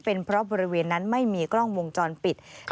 เป็นเพราะบริเวณนั้นไม่มีกล้องวงจรปิด